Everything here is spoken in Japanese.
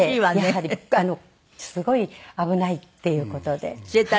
やはりすごい危ないっていう事で。